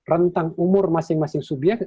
rentang umur masing masing subyek